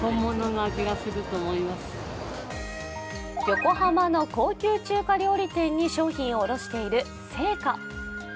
横浜の高級中華料理店に商品を卸している正華。